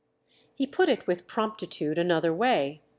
He put it with promptitude another way.